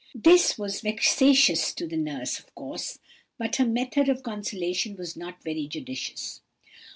"This was vexatious to the nurse, of course; but her method of consolation was not very judicious.